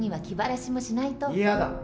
嫌だ。